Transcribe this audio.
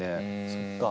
そっか。